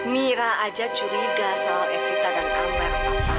mira aja curiga soal evita dan ambar papa